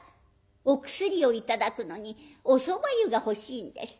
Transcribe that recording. お薬を頂くのにおそば湯が欲しいんです。